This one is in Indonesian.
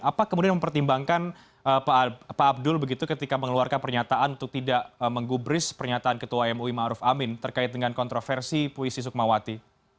apa kemudian mempertimbangkan pak abdul begitu ketika mengeluarkan pernyataan untuk tidak menggubris pernyataan ketua mui ⁇ maruf ⁇ amin terkait dengan kontroversi puisi sukmawati